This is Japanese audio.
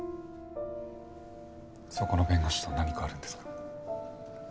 そこの弁護士と何かあるんですか？